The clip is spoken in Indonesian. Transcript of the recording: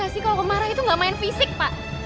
gak sih kalau aku marah itu gak main fisik pak